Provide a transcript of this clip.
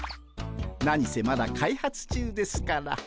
何せまだ開発中ですから。